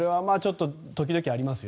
時々ありますよ。